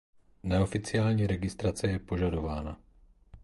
Neoficiální registrace je požadována.